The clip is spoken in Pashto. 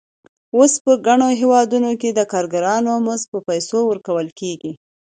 اوس په ګڼو هېوادونو کې د کارګرانو مزد په پیسو ورکول کېږي